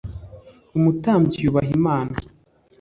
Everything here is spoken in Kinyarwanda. umutambyi yubaha imana.